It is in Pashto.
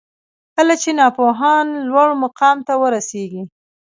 کله چي ناپوهان لوړ مقام ته ورسیږي